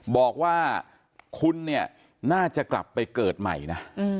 บอกว่าคุณเนี่ยน่าจะกลับไปเกิดใหม่นะ